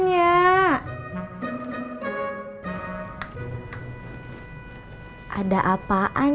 nggak ada apaan